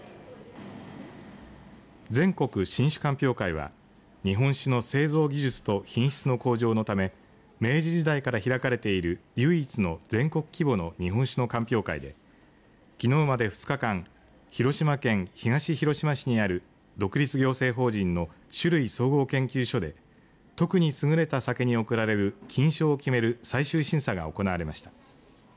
全国新酒鑑評会は日本酒の製造技術と品質の向上のため明治時代から開かれている唯一の全国規模の日本酒の鑑評会できのうまで２日間広島県東広島市にある独立行政法人の酒類総合研究所で特に優れた酒に贈られる金賞を決める最終審査が行われました。